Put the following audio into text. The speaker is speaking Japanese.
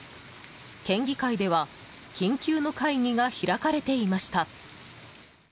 県議会では緊急の会議が開かれていました。